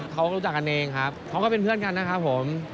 เขารู้จักกันเองครับเขาก็เป็นเพื่อนกันนะครับผม